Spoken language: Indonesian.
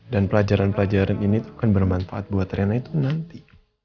dan pelajaran pelajaran ini tuh kan bermanfaat buat riana itu nanti